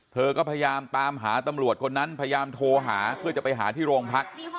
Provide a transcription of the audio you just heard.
เธอก็พยายามตามหาตำรวจคนนั้นพยายามโทรหาเพื่อจะไปหาที่โรงพัก